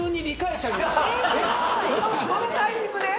どのタイミングで？